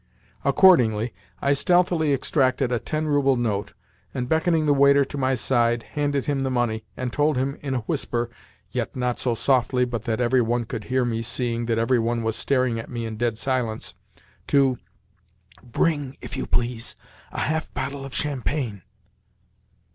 Accordingly, I stealthily extracted a ten rouble note, and, beckoning the waiter to my side, handed him the money, and told him in a whisper (yet not so softly but that every one could hear me, seeing that every one was staring at me in dead silence) to "bring, if you please, a half bottle of champagne."